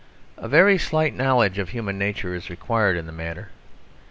A very slight knowledge of human nature is required in the matter.